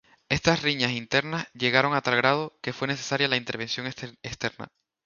Estas riñas internas llegaron a tal grado que fue necesaria la intervención externa.